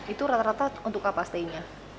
itu rata rata untuk apa stay nya